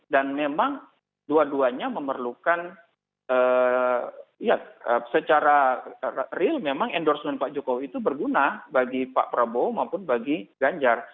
dan memang dua duanya memerlukan ya secara real memang endorsement pak jokowi itu berguna bagi pak prabowo maupun bagi ganjar